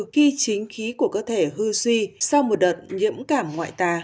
khi chính khí của cơ thể hư suy sau một đợt nhiễm cảm ngoại ta